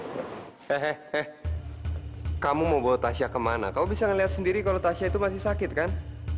hehehe kamu mau bawa tasya kemana kamu bisa ngelihat sendiri kalau tasya itu masih sakit kan